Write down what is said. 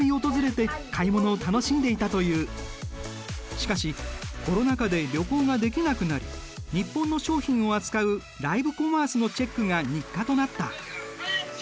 しかしコロナ禍で旅行ができなくなり日本の商品を扱うライブコマースのチェックが日課となった。